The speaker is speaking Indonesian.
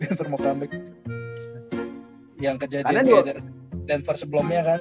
yang kejadian denver sebelumnya kan